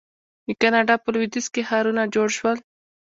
د کاناډا په لویدیځ کې ښارونه جوړ شول.